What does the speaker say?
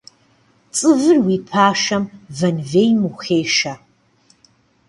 Цӏывыр уи пашэм вэнвейм ухешэ.